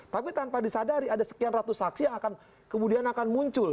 tapi tanpa disadari ada sekian ratus saksi yang akan kemudian akan muncul